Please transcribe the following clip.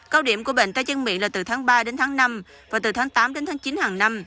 cao điểm của bệnh tay chân miệng là từ tháng ba đến tháng năm và từ tháng tám đến tháng chín hàng năm